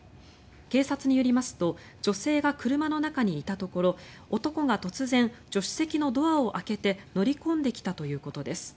警察によりますと女性が車の中にいたところ男が突然、助手席のドアを開けて乗り込んできたということです。